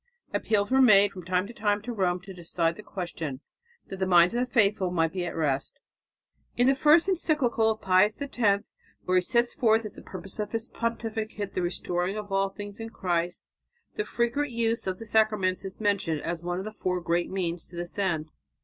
Appeals were made from time to time to Rome to decide the question, that the minds of the faithful might be at rest. In the first encyclical of Pius X where he sets forth as the purpose of his pontificate the restoring of all things in Christ, the frequent use of the sacraments is mentioned as one of the four great means to this end.